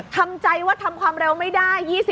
ทำใจว่าทำความเร็วไม่ได้